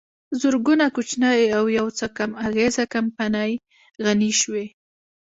زرګونه کوچنۍ او یوڅو کم اغېزه کمپنۍ غني شوې